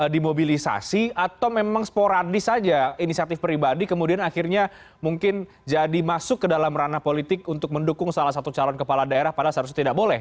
dimobilisasi atau memang sporadis saja inisiatif pribadi kemudian akhirnya mungkin jadi masuk ke dalam ranah politik untuk mendukung salah satu calon kepala daerah padahal seharusnya tidak boleh